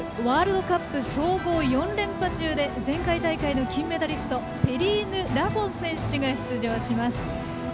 ワールドカップ総合４連覇中で前回大会の金メダリストペリーヌ・ラフォン選手が出場します。